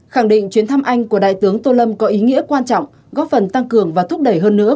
khẳng định chuyến thăm anh của đại tướng tô lâm có ý nghĩa quan trọng góp phần tăng cường và thúc đẩy hơn nữa